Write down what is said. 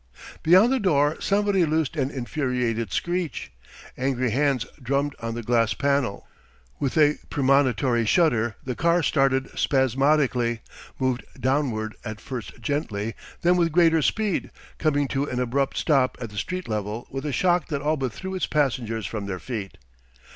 Beyond the door somebody loosed an infuriated screech. Angry hands drummed on the glass panel. With a premonitory shudder the car started spasmodically, moved downward at first gently, then with greater speed, coming to an abrupt stop at the street level with a shock that all but threw its passengers from their feet.